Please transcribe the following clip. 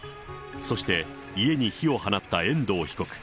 そして家に火を放った遠藤被告。